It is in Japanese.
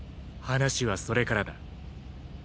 話はそれからだ。